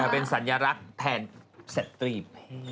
เป็นสัญลักษณ์แทนสตรีม